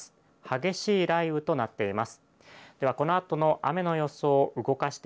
激しい雷雨となっています。